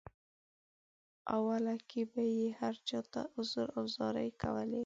اوله کې به یې هر چاته عذر او زارۍ کولې.